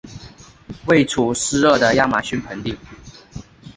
位处湿热的亚马逊盆地。